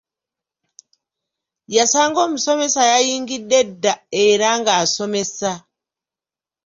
Yasanga omusomesa yayingidde dda era ng’asomesa.